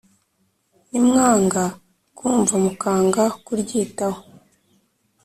Nimwanga kumva mukanga kuryitaho